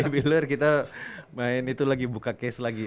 biller kita main itu lagi buka case lagi